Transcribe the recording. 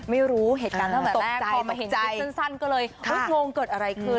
ไม่รู้เหตุการณ์ทำไมตกใจพอมาเห็นคลิปสั้นก็เลยงงเกิดอะไรขึ้น